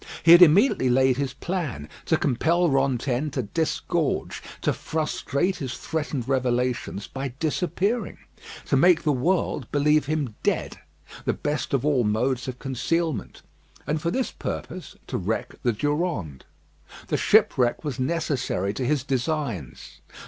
He had immediately laid his plan to compel Rantaine to disgorge; to frustrate his threatened revelations by disappearing; to make the world believe him dead, the best of all modes of concealment; and for this purpose to wreck the Durande. The shipwreck was necessary to his designs.